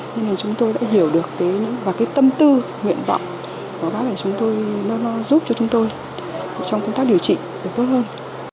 thế nên chúng tôi đã hiểu được và cái tâm tư nguyện vọng của các bác này nó giúp cho chúng tôi trong công tác điều trị được tốt hơn